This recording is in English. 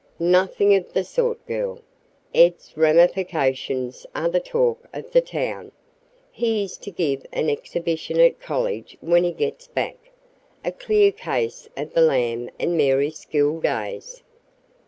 "Nothing of the sort, girl. Ed's ramifications are the talk of the town. He is to give an exhibition at college when we get back. A clear case of the lamb and Mary's school days."